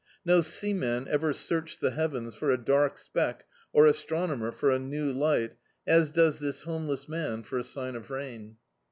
No seaman ever searched the heavens for a dark speck, or astronomer for a new light, as docs this homeless man for a sign of rain.